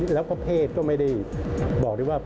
แล้วก็เพศก็ไม่ได้บอกได้ว่า